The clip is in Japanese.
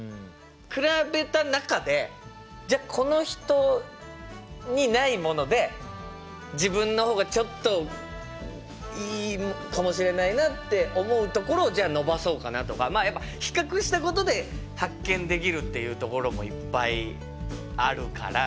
比べた中でじゃあこの人にないもので自分の方がちょっといいかもしれないなって思うところをじゃあ伸ばそうかなとかまあやっぱ比較したことで発見できるっていうところもいっぱいあるから。